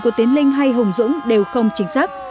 của tiến linh hay hùng dũng đều không chính xác